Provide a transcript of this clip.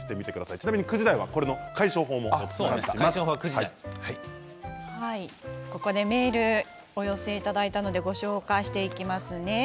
ちなみに９時台はメールをお寄せいただいたのでご紹介していきますね。